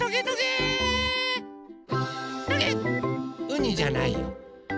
うにじゃないよ。